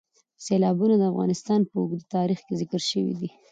سیلابونه د افغانستان په اوږده تاریخ کې ذکر شوی دی.